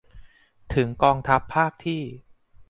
ถึงกองทัพภาคที่